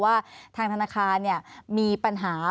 ว่าทางธนาคารมีปัญหา